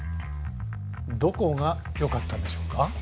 どこがよかったでしょうか？